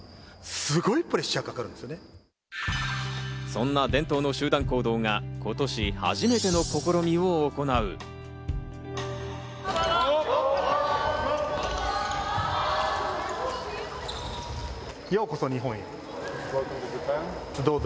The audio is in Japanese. そんな伝統の集団行動が今年初めての試みを行う。